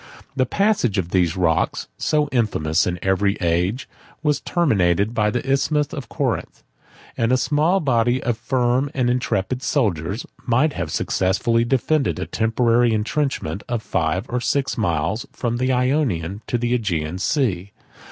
9 The passage of those rocks, so infamous in every age, was terminated by the Isthmus of Corinth; and a small a body of firm and intrepid soldiers might have successfully defended a temporary intrenchment of five or six miles from the Ionian to the Aegean Sea.